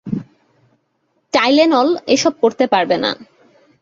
Tylenol এসব করতে পারবে না।